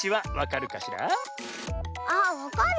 あっわかる。